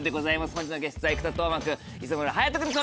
本日のゲストは生田斗真君磯村勇斗君です